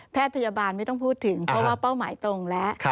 พยาบาลไม่ต้องพูดถึงเพราะว่าเป้าหมายตรงแล้ว